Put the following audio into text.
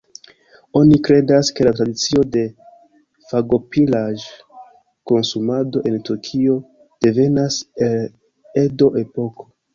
Oni kredas, ke la tradicio de fagopiraĵ-konsumado en Tokio devenas el Edo-epoko.